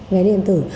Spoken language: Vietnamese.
vé điện tử